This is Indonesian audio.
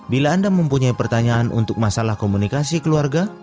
bila anda mempunyai pertanyaan untuk masalah komunikasi keluarga